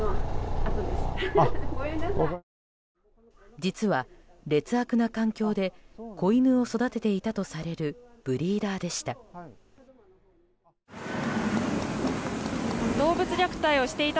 実は劣悪な環境で子犬を育てていたとされるブリーダーでした。